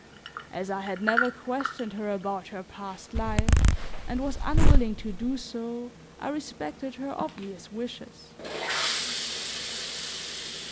As I had never questioned her about her past life and was unwilling to do so, I respected her obvious wishes.